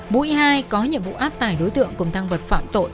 bụi hai có nhiệm vụ áp tài đối tượng cùng thăng vật phạm tội